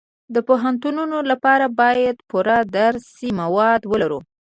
د پوهنتونونو لپاره باید پوره درسي مواد ولرو